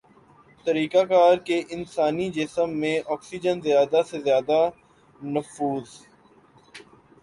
طریقہ کار کے انسانی جسم میں آکسیجن زیادہ سے زیادہ نفوذ